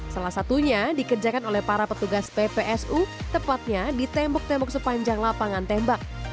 salah satunya dikerjakan oleh para petugas ppsu tepatnya di tembok tembok sepanjang lapangan tembak